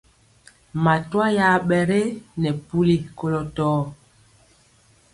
Matwa ya ɓɛ ge nɛ puli kolɔ tɔɔ.